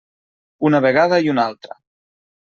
Una vegada i una altra.